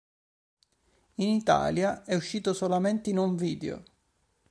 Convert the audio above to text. In Italia è uscito solamente in home video.